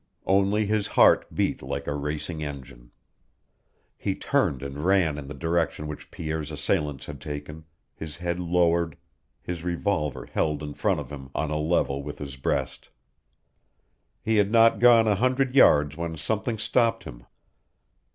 Only his heart beat like a racing engine. He turned and ran in the direction which Pierre's assailants had taken, his head lowered, his revolver held in front of him, on a level with his breast. He had not gone a hundred yards when something stopped him.